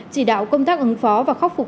chỉ đạo công tác ứng phó và khắc phục